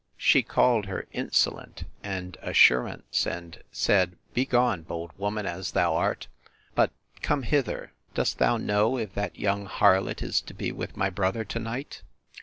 —She called her insolent, and assurance; and said, Begone, bold woman as thou art!—but come hither. Dost thou know if that young harlot is to be with my brother to night?